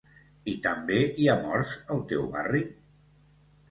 I també hi ha morts al teu barri?